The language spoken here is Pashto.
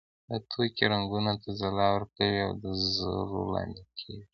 دا توکي رنګونو ته ځلا ورکوي او د زرو لامل کیږي.